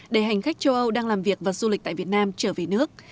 để hành khách châu âu đang làm việc và du lịch tại việt nam trở về nước